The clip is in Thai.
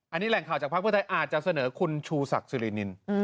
อันนี้แหล่งข่าวจากภาคเพื่อไทยอาจจะเสนอคุณชูศักดิ์สิรินิน